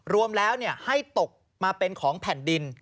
รวมแล้วให้ตกมาเป็นของแผ่นดิน